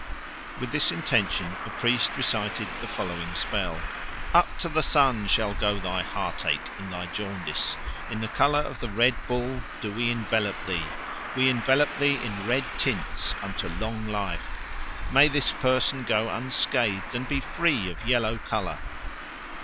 With this intention, a priest recited the following spell: "Up to the sun shall go thy heart ache and thy jaundice: in the colour of the red bull do we envelop thee! We envelop thee in red tints, unto long life. May this person go unscathed and be free of yellow colour!